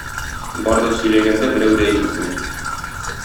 Бар да сөйләгәндә берәү дә ишетми.